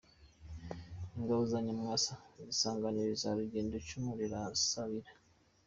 Ingabo za Nyarwaya zisanganira iza Rusengo icumu rirasabira.